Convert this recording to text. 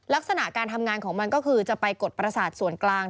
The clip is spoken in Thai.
ลักษณะการทำงานของมันก็คือจะไปกดประสาทส่วนกลาง